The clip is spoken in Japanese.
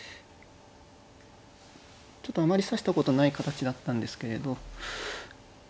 ちょっとあまり指したことない形だったんですけれど